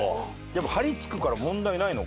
やっぱ張り付くから問題ないのか。